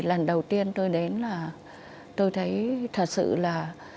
lần đầu tiên tôi đến là tôi thấy thật sự là